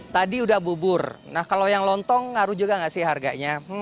tadi udah bubur nah kalau yang lontong ngaruh juga nggak sih harganya